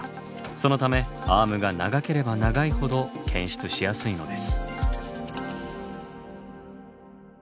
そのためアームが長ければ長いほど検出しやすいのです。